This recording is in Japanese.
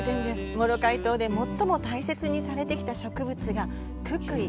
モロカイ島で最も大切にされてきた植物がククイ。